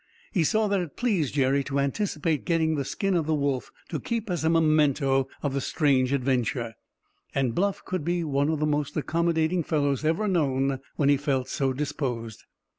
He saw that it pleased Jerry to anticipate getting the skin of the wolf to keep as a memento of the strange adventure; and Bluff could be one of the most accommodating fellows ever known when he felt so disposed.